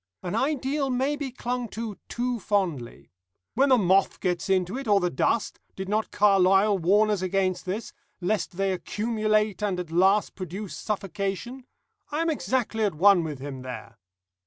An ideal may be clung to too fondly. When the moth gets into it, or the dust did not Carlyle warn us against this, lest they 'accumulate and at last produce suffocation'? I am exactly at one with him there.